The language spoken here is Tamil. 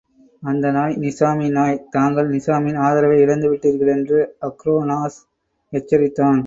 அந்த நாய் நிசாமின் நாய் தாங்கள் நிசாமின் ஆதரவை இழந்து விட்டீர்கள் என்று அக்ரோனோஸ் எச்சரித்தான்.